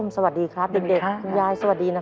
สวัสดีครับไอ้เด็กของคุณยาย